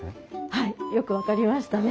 はいよく分かりましたね。